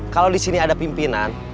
kalau disini ada pimpinan